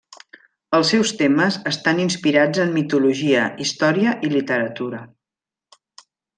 Els seus temes estan inspirats en mitologia, història i literatura.